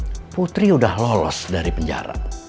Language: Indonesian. sementara putri udah lolos dari penjara